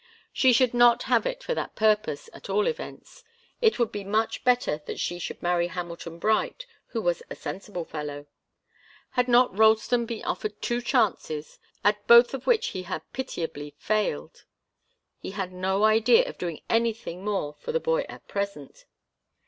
She should not have it for that purpose, at all events. It would be much better that she should marry Hamilton Bright, who was a sensible fellow. Had not Ralston been offered two chances, at both of which he had pitiably failed? He had no idea of doing anything more for the boy at present.